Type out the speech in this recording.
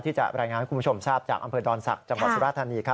ที่จะรายงานให้คุณผู้ชมทราบจากอำเภอดอนศักดิ์จังหวัดสุราธานี